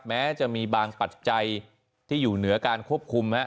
แม้จะมีบางปัจจัยที่อยู่เหนือการควบคุม